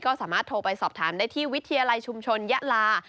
ก็สามารถโทรไปสอบถามได้ที่วิทยาลัยชุมชนยะลา